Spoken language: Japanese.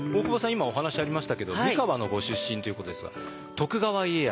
今お話ありましたけど三河のご出身ということですが徳川家康